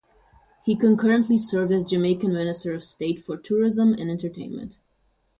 He concurrently served as Jamaican minister of state for tourism and entertainment.